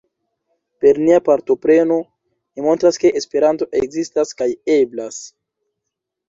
Per nia partopreno, ni montras ke Esperanto ekzistas kaj eblas.